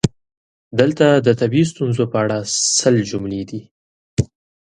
دلته د طبیعي ستونزو په اړه سل جملې دي: